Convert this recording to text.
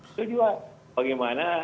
itu juga bagaimana